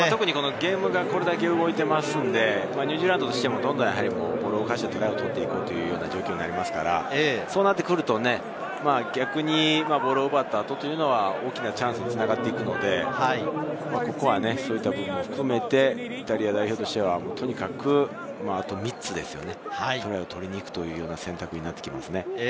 ゲームがこれだけ動いていますので、ニュージーランドとしても、ボールを動かしてトライを取っていこうというような状況になりますから、そうなってくるとボールを奪った後は大きなチャンスに繋がってくるので、ここはそういった部分も含めて、イタリア代表としては、とにかく、あと３つトライを取りに行くという選択になってきますね。